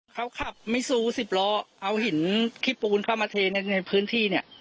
เขาขับมิซูสิบล้อเอาหินขี้ปูนเข้ามาเทในพื้นที่เนี่ย